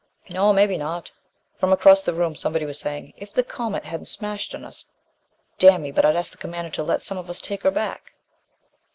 "No. Maybe not." From across the room somebody was saying, "If the Comet hadn't smashed on us, damn me but I'd ask the Commander to let some of us take her back."